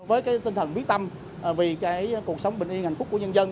với tinh thần biết tâm vì cuộc sống bình yên hạnh phúc của nhân dân